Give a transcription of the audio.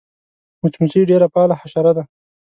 مچمچۍ ډېره فعاله حشره ده